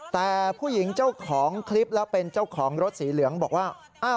แต่ผู้หญิงเจ้าของคลิปแล้วเป็นเจ้าของรถสีเหลืองบอกว่า